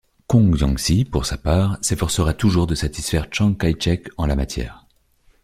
Kong Xiangxi, pour sa part, s’efforcera toujours de satisfaire Tchang Kaï-chek en la matière.